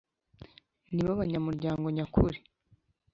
nibo banyamuryango nyakuri